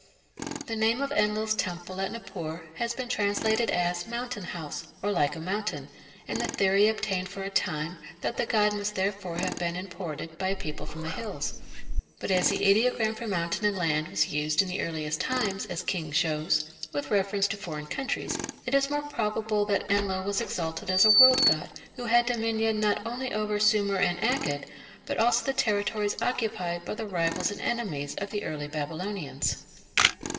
The name of Enlil's temple at Nippur has been translated as "mountain house", or "like a mountain", and the theory obtained for a time that the god must therefore have been imported by a people from the hills. But as the ideogram for "mountain" and "land" was used in the earliest times, as King shows, with reference to foreign countries, it is more probable that Enlil was exalted as a world god who had dominion over not only Sumer and Akkad, but also the territories occupied by the rivals and enemies of the early Babylonians.